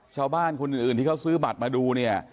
ชาวบ้านคนอื่นที่เขาซื้อบัตรมาดูเนี่ย